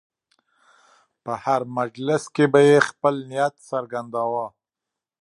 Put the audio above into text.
په هر مجلس کې به یې خپل نیت څرګنداوه.